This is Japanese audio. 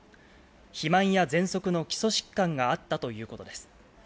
肥満やぜんそくの基礎疾患があったということです。